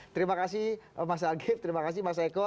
terima kasih mas agib terima kasih mas eko